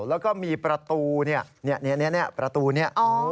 แล้วก็มีประตูเนี่ยประตูนี้